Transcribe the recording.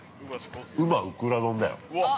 ウマ・ウクラ丼だよ。